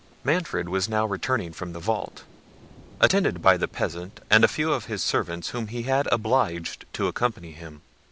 Manfred was now returning from the vault, attended by the peasant and a few of his servants whom he had obliged to accompany him.